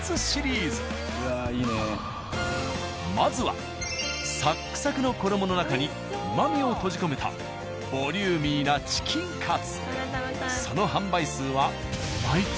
まずはサックサクの衣の中にうまみを閉じ込めたボリューミーなチキンカツ。